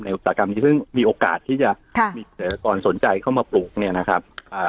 ในอุตสาหกรรมนี้ซึ่งมีโอกาสที่จะมีเศรษฐกรสนใจเข้ามาปลูกเนี่ยนะครับ